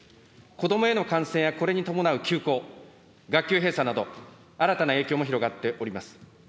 子どもへの感染やこれに伴う休校、学級閉鎖など、新たな影響も広がっております。